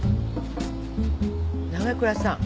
長倉さん。